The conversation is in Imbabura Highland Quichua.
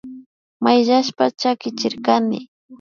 Mayllashpa chakichirkanchik